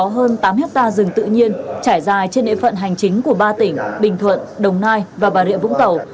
tám ha rừng tự nhiên trải dài trên nệ phận hành chính của ba tỉnh bình thuận đồng nai và bà rịa vũng cầu